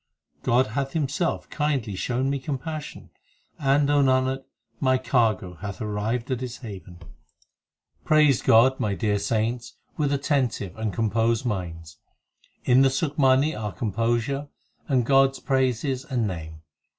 God hath Himself kindly shown me compassion, And, O Nanak, my cargo hath arrived at its haven. 1 5 Praise God, my dear saints, With attentive and composed minds. In the Sukhmani are composure and God s praises and name.